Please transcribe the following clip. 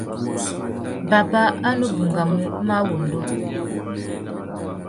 Baba a nu bôngômú máh wŭndú.